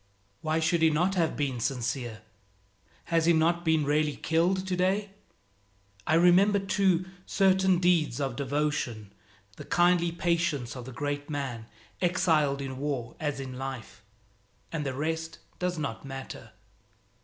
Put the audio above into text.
Why should he not have been sincere? Has he not been really killed today? I remember, too, certain deeds of devotion, the kindly patience of the great man, exiled in war as in life and the rest does not matter.